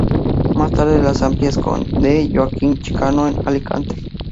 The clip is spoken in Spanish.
Más tarde los amplía con D. Joaquín Chicano en Alicante.